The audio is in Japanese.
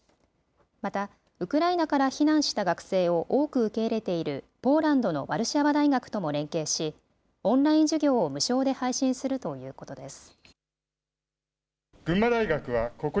またウクライナから避難した学生を多く受け入れているポーランドのワルシャワ大学とも連携しオンライン授業を無償で配信するということです。